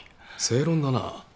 正論だな。